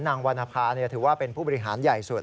วรรณภาถือว่าเป็นผู้บริหารใหญ่สุด